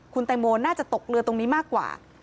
คุณแตงโมน่าจะตกเรือตรงนี้มากกว่า